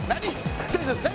何？